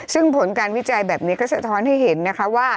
ซึ่งผลการวิจัยแบบนี้ก็สะท้อนให้เห็นนะคะว่า